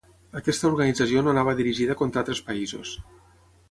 Aquesta organització no anava dirigida contra altres països.